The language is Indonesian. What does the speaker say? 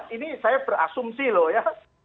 ini saya berasumsi loh ya